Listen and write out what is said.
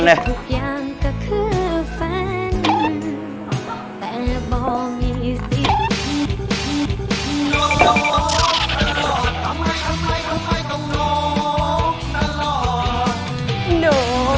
เป็นคนคนคุยโอ้โหป่าประโลกไม่ทันแหละ